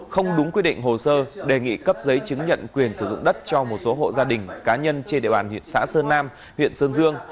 không đúng quy định hồ sơ đề nghị cấp giấy chứng nhận quyền sử dụng đất cho một số hộ gia đình cá nhân trên địa bàn huyện xã sơn nam huyện sơn dương